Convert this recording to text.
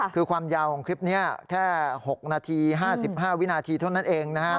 คือความยาวของคลิปนี้แค่๖นาที๕๕วินาทีเท่านั้นเองนะครับ